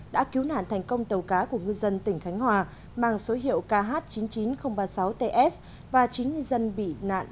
đã cứu nạn thành công tàu cá của ngư dân tỉnh khánh hòa mang số hiệu kh chín mươi chín nghìn ba mươi sáu ts và chín ngư dân bị nạn